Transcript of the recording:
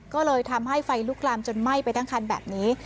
ก็เลยทำให้ไฟลุกลามจนไหม้ไปทั้งคันแบบนี้